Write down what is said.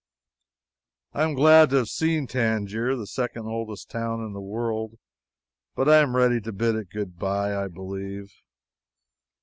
I am glad to have seen Tangier the second oldest town in the world. But I am ready to bid it good bye, I believe.